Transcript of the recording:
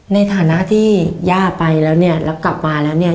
ในฐานะที่ย่าไปแล้วเนี่ยแล้วกลับมาแล้วเนี่ย